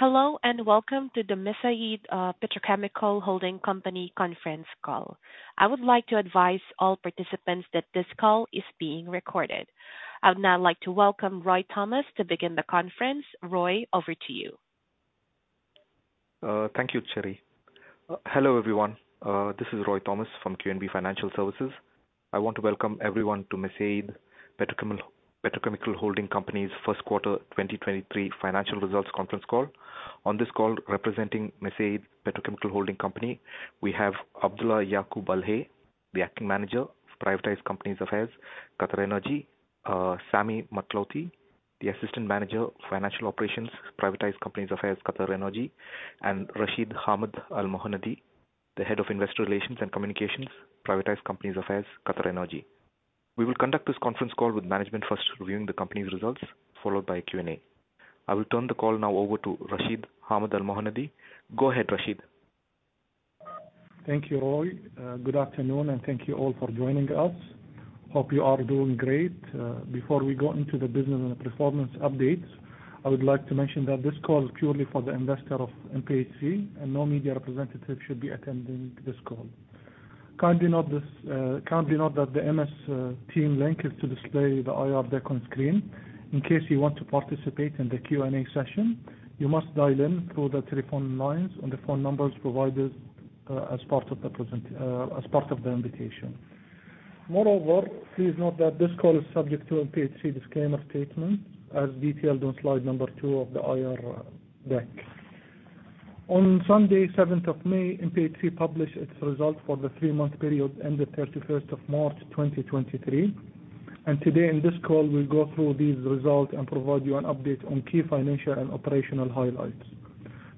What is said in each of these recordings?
Hello, welcome to the Mesaieed Petrochemical Holding Company conference call. I would like to advise all participants that this call is being recorded. I would now like to welcome Roy Thomas to begin the conference. Roy, over to you. Thank you, Cherry. Hello, everyone. This is Roy Thomas from QNB Financial Services. I want to welcome everyone to Mesaieed Petrochemical Holding Company's first quarter 2023 financial results conference call. On this call, representing Mesaieed Petrochemical Holding Company, we have Abdulla Yaqoob Al-Hay, the acting manager of Privatized Companies Affairs, QatarEnergy. Sami Mathlouthi, the assistant manager of financial operations, Privatized Companies Affairs, QatarEnergy, and Rashed Hamad Al-Mohannadi, the Head of Investor Relations and Communications, Privatized Companies Affairs, QatarEnergy. We will conduct this conference call with management first reviewing the company's results, followed by a Q&A. I will turn the call now over to Rashed Hamad Al-Mohannadi. Go ahead, Rashed. Thank you, Roy. Good afternoon, thank you all for joining us. Hope you are doing great. Before we go into the business and the performance updates, I would like to mention that this call is purely for the investor of MPHC, no media representative should be attending this call. Kindly note that the MS Team link is to display the IR deck on screen. In case you want to participate in the Q&A session, you must dial in through the telephone lines on the phone numbers provided as part of the invitation. Moreover, please note that this call is subject to MPHC disclaimer statement as detailed on slide number two of the IR deck. On Sunday, seventh of May, MPHC published its result for the three-month period ending 31st of March 2023. Today in this call, we'll go through these results and provide you an update on key financial and operational highlights.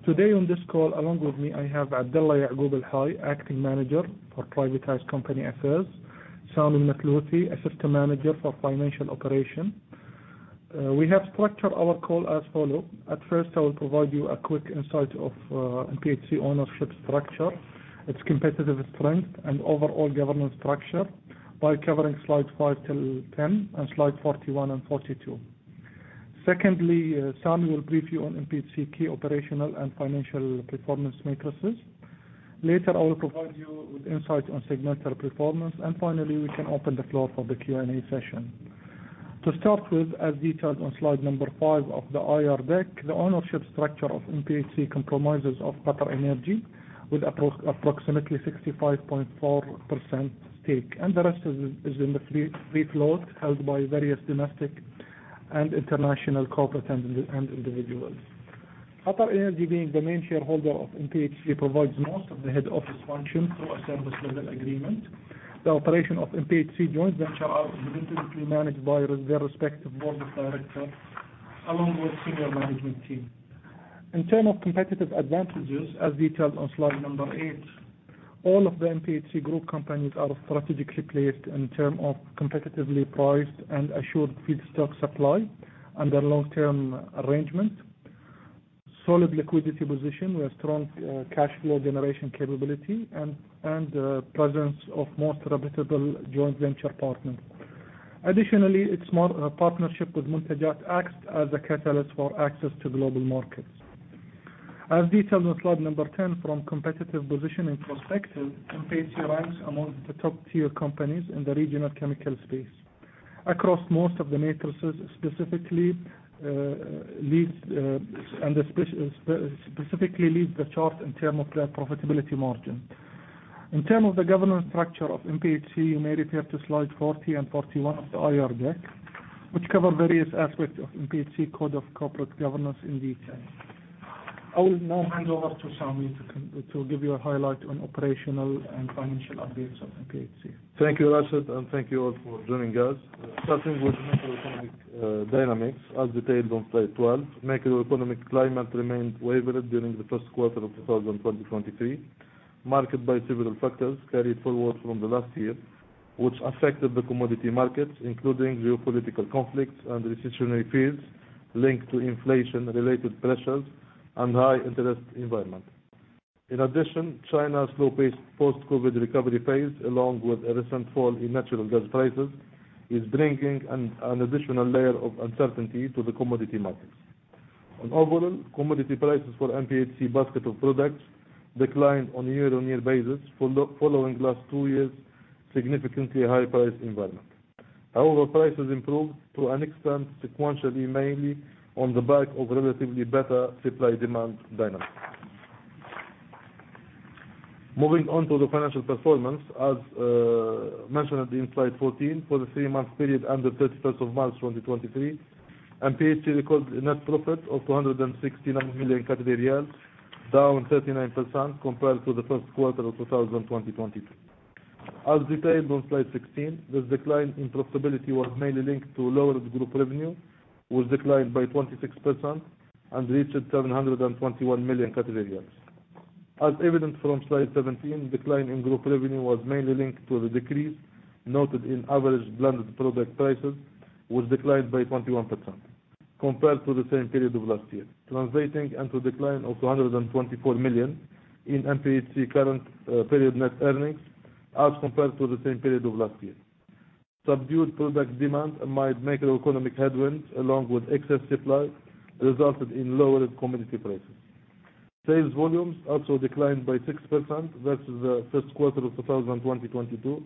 Today on this call, along with me, I have Abdulla Yaqoob Al-Hay, acting manager for Privatized Companies Affairs, Sami Mathlouthi, assistant manager for financial operation. We have structured our call as follow. At first, I will provide you a quick insight of MPHC ownership structure, its competitive strength, and overall governance structure by covering slides five till 10, and slide 41 and 42. Secondly, Sami will brief you on MPHC key operational and financial performance matrices. Later, I will provide you with insight on segmental performance. Finally, we can open the floor for the Q&A session. To start with, as detailed on slide 5 of the IR deck, the ownership structure of MPHC comprises of QatarEnergy with approximately 65.4% stake, and the rest is in the free float held by various domestic and international corporate and individuals. QatarEnergy, being the main shareholder of MPHC, provides most of the head office functions through a service level agreement. The operations of MPHC joint ventures are independently managed by their respective board of directors, along with senior management team. In terms of competitive advantages, as detailed on slide 8, all of the MPHC group companies are strategically placed in terms of competitively priced and assured feedstock supply under long-term arrangement, solid liquidity position with strong cash flow generation capability, and presence of most reputable joint venture partners. Additionally, its partnership with Muntajat acts as a catalyst for access to global markets. As detailed on slide 10 from competitive position and prospects, MPHC ranks among the top tier companies in the regional chemical space. Across most of the matrices, specifically leads the chart in terms of profitability margin. In terms of the governance structure of MPHC, you may refer to slide 40 and 41 of the IR deck, which cover various aspects of MPHC code of corporate governance in detail. I will now hand over to Sami to give you a highlight on operational and financial updates of MPHC. Thank you, Rashed, and thank you all for joining us. Starting with macroeconomic dynamics as detailed on slide 12. Macroeconomic climate remained wayward during the first quarter of 2023, marked by several factors carried forward from the last year, which affected the commodity markets, including geopolitical conflicts and recessionary fears linked to inflation-related pressures and high interest environment. In addition, China's slow-paced post-COVID recovery phase, along with a recent fall in natural gas prices, is bringing an additional layer of uncertainty to the commodity markets. Overall, commodity prices for MPHC basket of products declined on a year-on-year basis following last 2 years significantly high price environment. However, prices improved to an extent sequentially, mainly on the back of relatively better supply-demand dynamics. Moving on to the financial performance, as mentioned in slide 14, for the 3-month period under 31st of March 2023, MPHC recorded a net profit of 269 million Qatari riyals, down 39% compared to the first quarter of 2022. As detailed on slide 16, this decline in profitability was mainly linked to lowered group revenue, which declined by 26% and reached 721 million. As evident from slide 17, decline in group revenue was mainly linked to the decrease noted in average blended product prices, which declined by 21%. Compared to the same period of last year, translating into a decline of $224 million in MPHC current period net earnings compared to the same period of last year. Subdued product demand amid macroeconomic headwinds, along with excess supply, resulted in lowered commodity prices. Sales volumes also declined by 6% versus the first quarter of 2022,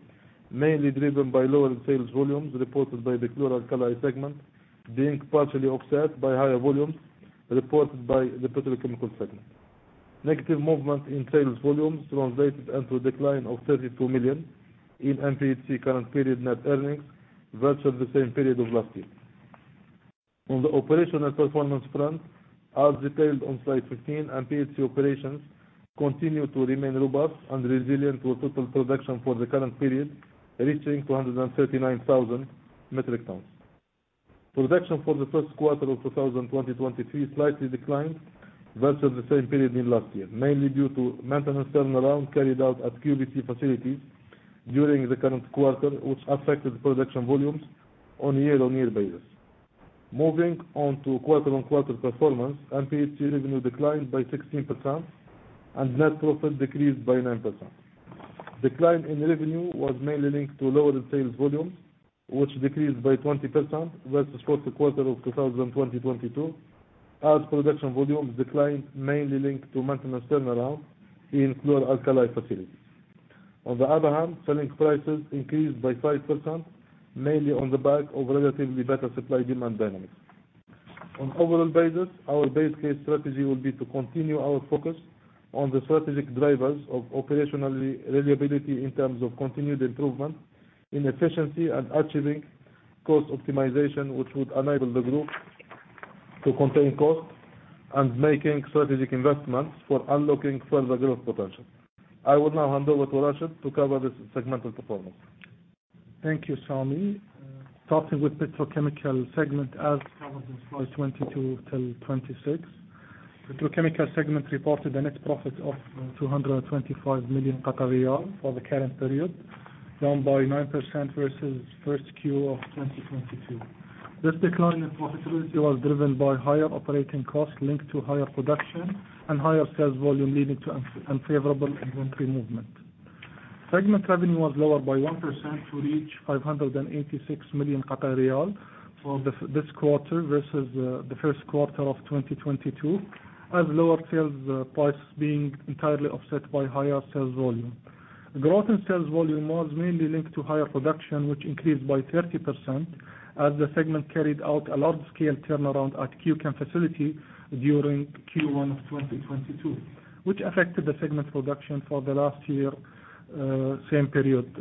mainly driven by lower sales volumes reported by the chlor-alkali segment, being partially offset by higher volumes reported by the petrochemical segment. Negative movement in sales volumes translated into a decline of 32 million in MPHC current period net earnings versus the same period of last year. On the operational performance front, as detailed on slide fifteen, MPHC operations continue to remain robust and resilient, with total production for the current period reaching 239,000 metric tons. Production for the first quarter of 2023 slightly declined versus the same period in last year, mainly due to maintenance turnaround carried out at QVC facilities during the current quarter, which affected production volumes on a year-over-year basis. Moving on to quarter-over-quarter performance, MPHC revenue declined by 16% and net profit decreased by 9%. Decline in revenue was mainly linked to lower sales volumes, which decreased by 20% versus the first quarter of 2022, as production volumes declined, mainly linked to maintenance turnaround in chlor-alkali facilities. On the other hand, selling prices increased by 5%, mainly on the back of relatively better supply-demand dynamics. On an overall basis, our base case strategy will be to continue our focus on the strategic drivers of operational reliability in terms of continued improvement in efficiency and achieving cost optimization, which would enable the group to contain costs and making strategic investments for unlocking further growth potential. I will now hand over to Rashed to cover the segmental performance. Thank you, Sami. Starting with petrochemical segment, as covered in slide 22 through 26. Petrochemical segment reported a net profit of 225 million for the current period, down by 9% versus first Q of 2022. This decline in profitability was driven by higher operating costs linked to higher production and higher sales volume, leading to unfavorable inventory movement. Segment revenue was lower by 1% to reach 586 million riyal for this quarter versus the first quarter of 2022, as lower sales price being entirely offset by higher sales volume. Growth in sales volume was mainly linked to higher production, which increased by 30% as the segment carried out a large-scale turnaround at Q-Chem facility during Q1 of 2022, which affected the segment production for the last year same period.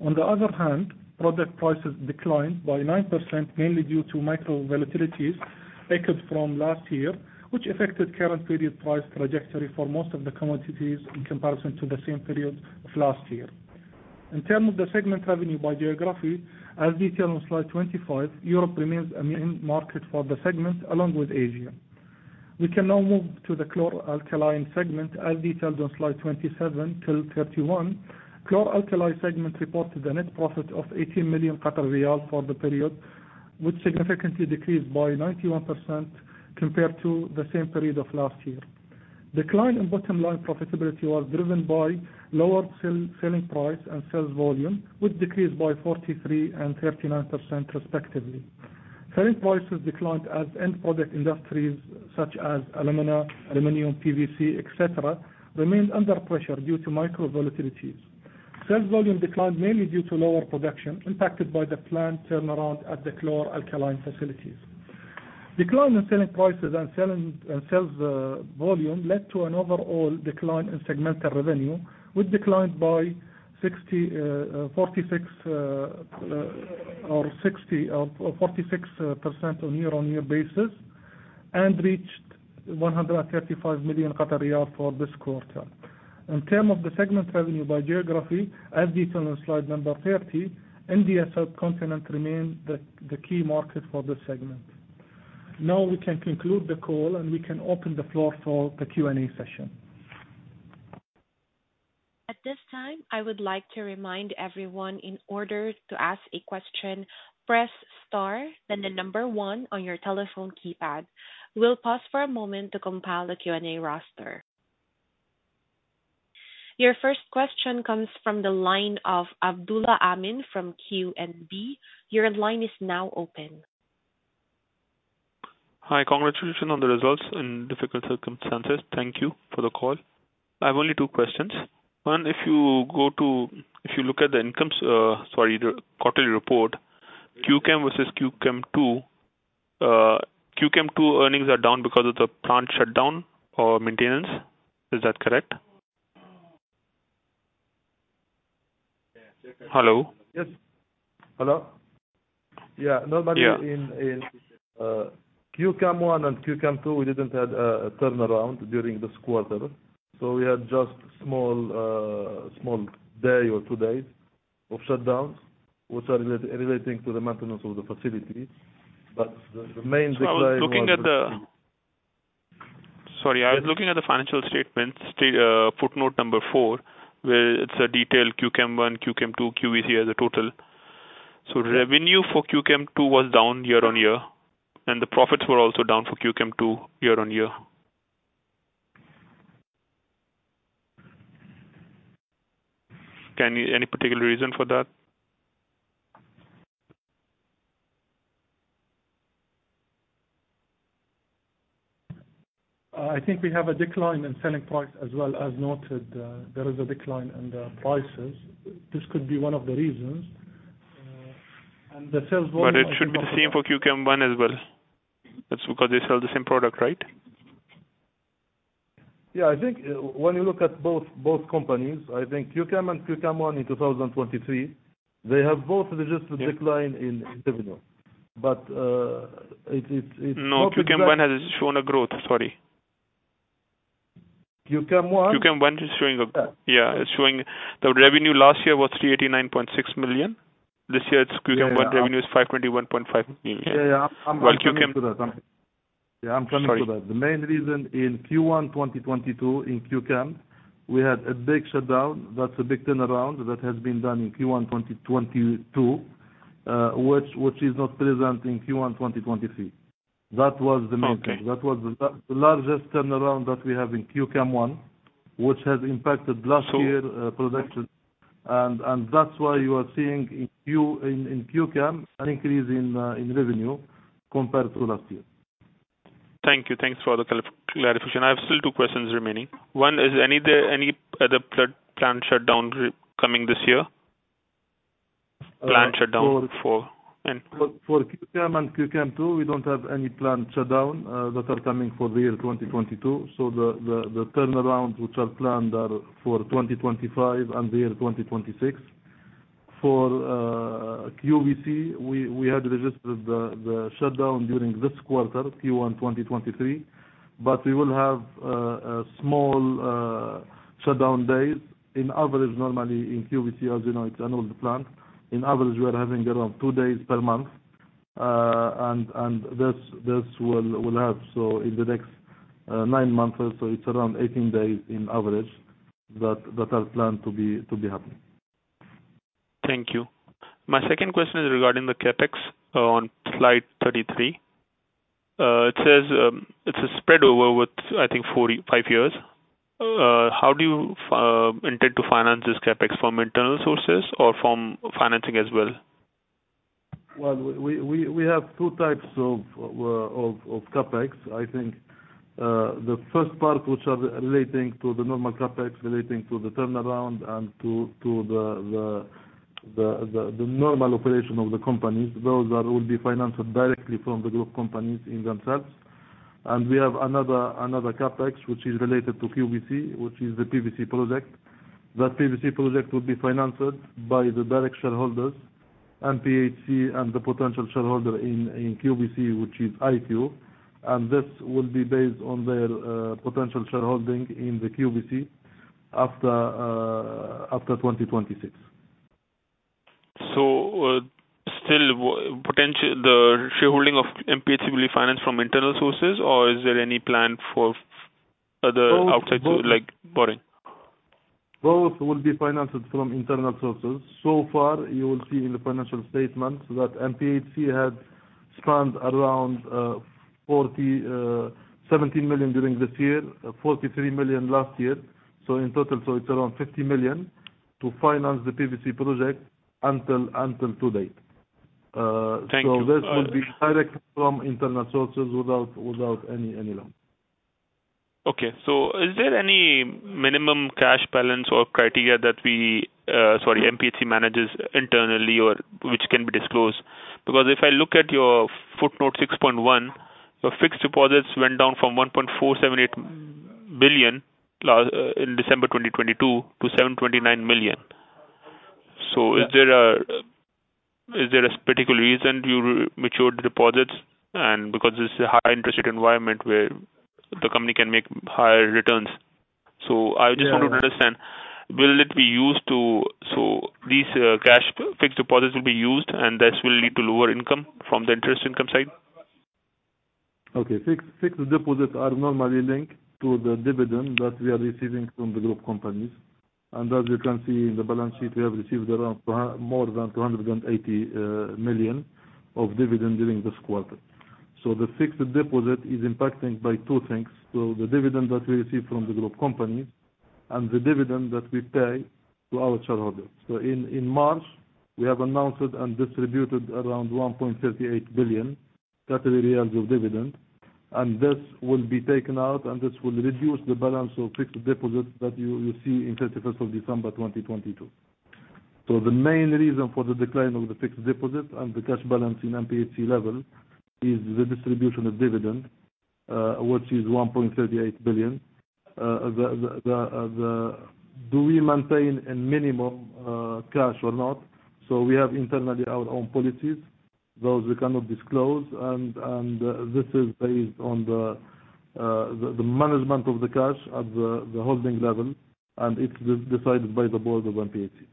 On the other hand, product prices declined by 9%, mainly due to macro volatilities echoed from last year, which affected current period price trajectory for most of the commodities in comparison to the same period of last year. In terms of the segment revenue by geography, as detailed on slide 25, Europe remains a main market for the segment along with Asia. We can now move to the chlor-alkali segment as detailed on slide 27 through 31. Chlor-alkali segment reported a net profit of 18 million riyal for the period, which significantly decreased by 91% compared to the same period of last year. Decline in bottom line profitability was driven by lower selling price and sales volume, which decreased by 43% and 39% respectively. Selling prices declined as end product industries such as alumina, aluminum, PVC, et cetera, remained under pressure due to macro volatilities. Sales volume declined mainly due to lower production impacted by the plant turnaround at the chlor-alkali facilities. Decline in selling prices and sales volume led to an overall decline in segmental revenue, which declined by 46% on year-on-year basis and reached 135 million for this quarter. In terms of the segment revenue by geography, as detailed on slide number 30, the Indian subcontinent remained the key market for this segment. We can conclude the call and we can open the floor for the Q&A session. At this time, I would like to remind everyone in order to ask a question, press star, then the number 1 on your telephone keypad. We'll pause for a moment to compile a Q&A roster. Your first question comes from the line of Abdullah Amin from QNB. Your line is now open. Hi. Congratulations on the results in difficult circumstances. Thank you for the call. I have only two questions. One, if you look at the quarterly report. Q-Chem versus Q-Chem II. Q-Chem II earnings are down because of the plant shutdown or maintenance. Is that correct? Hello? Yes. Hello? Yeah. Yeah. Normally in Q-Chem I and Q-Chem II, we didn't have a turnaround during this quarter. We had just small day or two days of shutdowns, which are relating to the maintenance of the facility. The main decline was- I was looking at the financial statements, footnote number 4, where it's detailed Q-Chem I, Q-Chem II, QVC as a total. Revenue for Q-Chem II was down year-on-year, and the profits were also down for Q-Chem II year-on-year. Any particular reason for that? I think we have a decline in selling price as well. As noted, there is a decline in the prices. This could be one of the reasons. The sales volume- It should be the same for Q-Chem I as well. That's because they sell the same product, right? Yeah. I think when you look at both companies, I think Q-Chem and Q-Chem I in 2023, they have both registered a decline in revenue. No, Q-Chem I has shown a growth. Sorry. Q-Chem I? Q-Chem I is showing a. Yeah. Yeah. The revenue last year was 389.6 million. This year, Q-Chem I revenue is 521.5 million. Yeah. I'm coming to that. While Q-Chem- Yeah, I'm coming to that. Sorry. The main reason in Q1, 2022 in Q-Chem, we had a big shutdown. That's a big turnaround that has been done in Q1, 2022, which is not present in Q1, 2023. That was the main thing. Okay. That was the largest turnaround that we have in Q-Chem I, which has impacted last year production. That's why you are seeing in Q-Chem, an increase in revenue compared to last year. Thank you. Thanks for the clarification. I have still two questions remaining. One, is there any other plant shutdown coming this year? Plant shutdown for For Q-Chem and Q-Chem II, we don't have any plant shutdown that are coming for the year 2022. The turnaround which are planned are for 2025 and the year 2026. For QVC, we had registered the shutdown during this quarter, Q1, 2023. We will have small shutdown days. On average, normally, in QVC, as you know, it's an old plant. On average, we are having around two days per month. This will help. In the next nine months or so, it's around 18 days on average, that are planned to be happening. Thank you. My second question is regarding the CapEx on slide 33. It says it's a spread over with, I think, five years. How do you intend to finance this CapEx? From internal sources or from financing as well? Well, we have two types of CapEx. I think the first part which are relating to the normal CapEx, relating to the turnaround and to the normal operation of the companies. Those will be financed directly from the group companies in themselves. We have another CapEx, which is related to QVC, which is the PVC project. That PVC project will be financed by the direct shareholders, MPHC, and the potential shareholder in QVC, which is IPO. This will be based on their potential shareholding in the QVC after 2026. Still, the shareholding of MPHC will be financed from internal sources? Is there any plan for other outside, like borrowing? Both will be financed from internal sources. Far, you will see in the financial statements that MPHC had spent around 17 million during this year, 43 million last year. In total, it's around 50 million to finance the PVC project until to date. Thank you. This will be direct from internal sources without any loan. Okay. Is there any minimum cash balance or criteria that we, sorry, MPHC manages internally or which can be disclosed? Because if I look at your footnote six point one, your fixed deposits went down from 1.478 billion in December 2022 to 729 million. Is there a particular reason you matured deposits and because it's a high interest rate environment where the company can make higher returns? I just want to understand, these cash fixed deposits will be used, and this will lead to lower income from the interest income side? Okay. Fixed deposits are normally linked to the dividend that we are receiving from the group companies. As you can see in the balance sheet, we have received around more than 280 million of dividend during this quarter. The fixed deposit is impacted by two things. The dividend that we receive from the group company and the dividend that we pay to our shareholders. In March, we have announced and distributed around 1.38 billion of dividend. This will be taken out, and this will reduce the balance of fixed deposits that you see in 31st of December 2022. The main reason for the decline of the fixed deposit and the cash balance in MPHC level is the distribution of dividend, which is 1.38 billion. Do we maintain a minimum cash or not? We have internally our own policies. Those we cannot disclose, and this is based on the management of the cash at the holding level, and it is decided by the board of MPHC.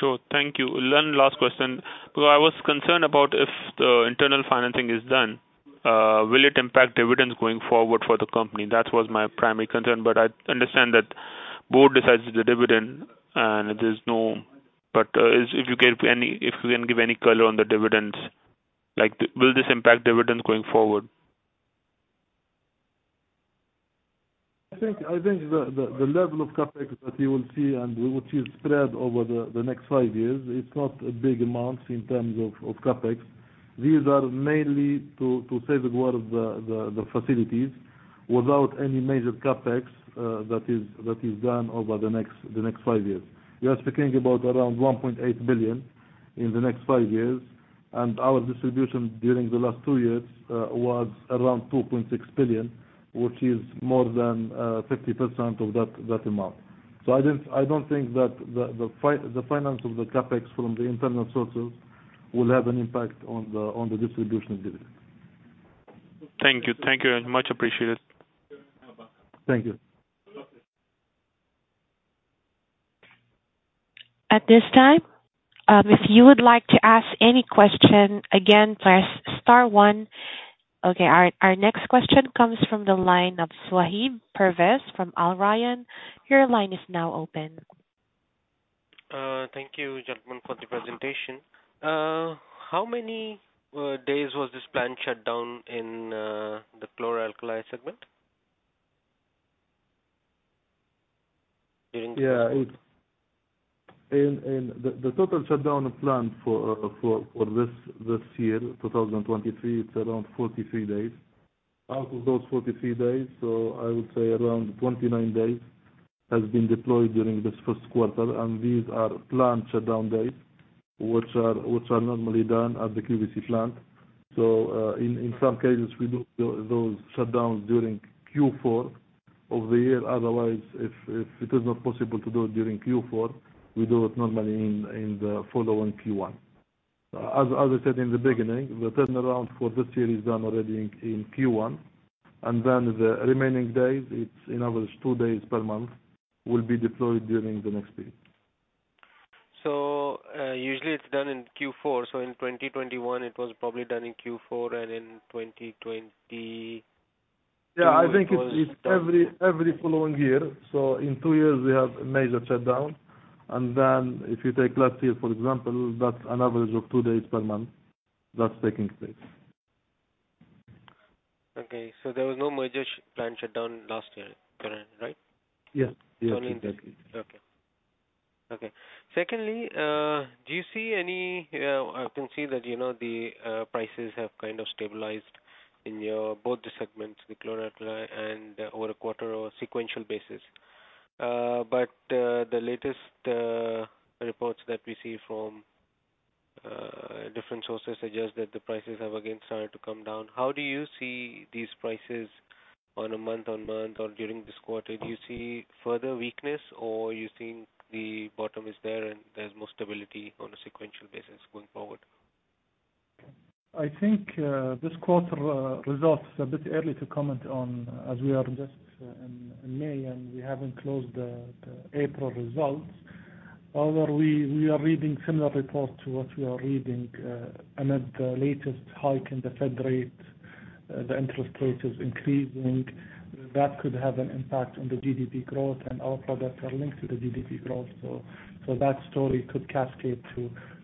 Sure. Thank you. One last question. I was concerned about if the internal financing is done, will it impact dividends going forward for the company? That was my primary concern, but I understand that board decides the dividend, if you can give any color on the dividends. Will this impact dividends going forward? I think the level of CapEx that you will see, and we will see it spread over the next five years, it is not big amounts in terms of CapEx. These are mainly to save the world, the facilities, without any major CapEx that is done over the next five years. We are speaking about around 1.8 billion in the next five years, and our distribution during the last two years, was around 2.6 billion, which is more than, 50% of that amount. I don't think that the finance of the CapEx from the internal sources will have an impact on the distribution of dividends. Thank you. Thank you. Much appreciated. Thank you. At this time, if you would like to ask any question, again, press star one. Our next question comes from the line of Sohaib Pervez from AlRayan Investment. Your line is now open. Thank you gentlemen for the presentation. How many days was this plant shut down in the chlor-alkali segment? The total shutdown planned for this year, 2023, it's around 43 days. Out of those 43 days, I would say around 29 days has been deployed during this first quarter, and these are planned shutdown days, which are normally done at the QVC plant. In some cases, we do those shutdowns during Q4 of the year. Otherwise, if it is not possible to do it during Q4, we do it normally in the following Q1. As I said in the beginning, the turnaround for this year is done already in Q1, and then the remaining days, it's an average two days per month, will be deployed during the next days. Usually it's done in Q4. In 2021, it was probably done in Q4, and in 2022 I think it's every following year. In two years, we have a major shutdown. If you take last year, for example, that's an average of two days per month that's taking place. There was no major plant shutdown last year, correct? Yes. Secondly, I can see that the prices have kind of stabilized in your both the segments, the chlor-alkali and over a quarter or sequential basis. The latest reports that we see from different sources suggest that the prices have again started to come down. How do you see these prices on a month-on-month or during this quarter? Do you see further weakness or you think the bottom is there and there's more stability on a sequential basis going forward? I think, this quarter results a bit early to comment on as we are just in May and we haven't closed the April results. However, we are reading similar reports to what you are reading. At the latest hike in the Fed rate, the interest rate is increasing. That could have an impact on the GDP growth, and our products are linked to the GDP growth. That story could cascade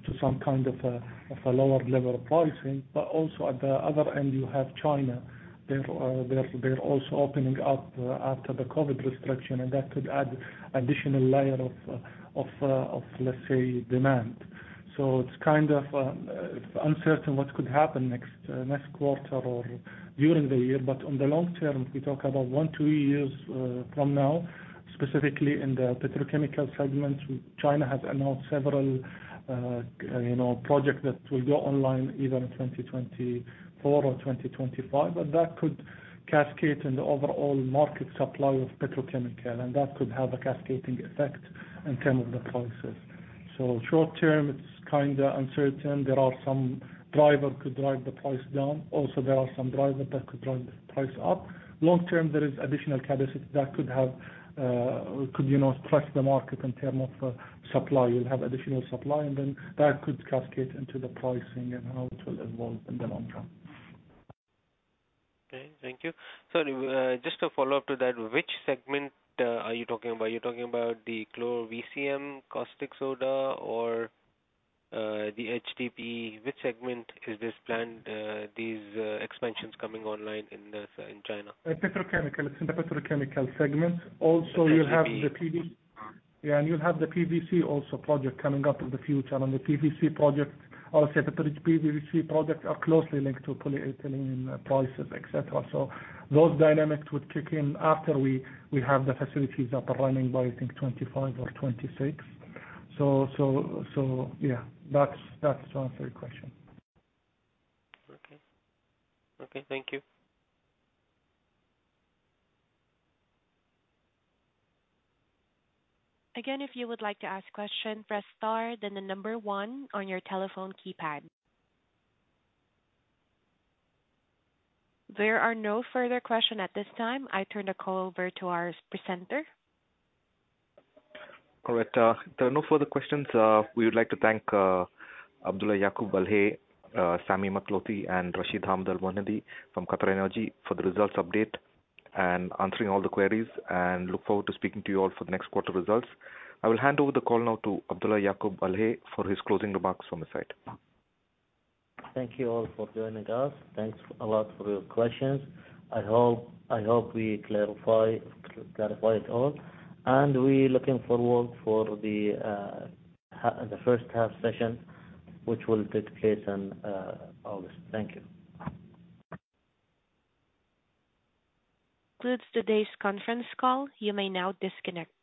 to some kind of a lower level of pricing. Also at the other end, you have China. They're also opening up after the COVID restriction, and that could add additional layer of, let's say, demand. It's kind of uncertain what could happen next quarter or during the year. On the long term, we talk about one, two years from now, specifically in the petrochemical segment. China has announced several projects that will go online either in 2024 or 2025, that could cascade in the overall market supply of petrochemical. That could have a cascading effect in terms of the prices. Short term, it's kind of uncertain. There are some driver could drive the price down. Also, there are some driver that could drive the price up. Long term, there is additional capacity that could stress the market in terms of supply. You'll have additional supply, that could cascade into the pricing and how it will evolve in the long term. Okay. Thank you. Sorry, just a follow-up to that. Which segment are you talking about? Are you talking about the chlor VCM, caustic soda, or the HDPE? Which segment is these expansions coming online in China? Petrochemical. It's in the petrochemical segment. Also, you have the PVC also project coming up in the future. The PVC project, I would say the PVC project are closely linked to polyethylene prices, et cetera. Those dynamics would kick in after we have the facilities up and running by, I think, 2025 or 2026. Yeah, that's to answer your question. Okay. Thank you. Again, if you would like to ask question, press star, then one on your telephone keypad. There are no further question at this time. I turn the call over to our presenter. Correct. There are no further questions. We would like to thank Abdulla Yaqoob Al-Hay, Sami Mathlouthi, and Hamad Rashid al-Mohannadi from QatarEnergy for the results update and answering all the queries, look forward to speaking to you all for the next quarter results. I will hand over the call now to Abdulla Yaqoob Al-Hay for his closing remarks from the site. Thank you all for joining us. Thanks a lot for your questions. I hope we clarified all. We looking forward for the first half session, which will take place in August. Thank you. Concludes today's conference call. You may now disconnect.